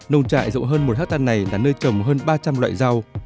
nông trại rộng hơn một hectare này là nơi trồng hơn ba trăm linh loại rau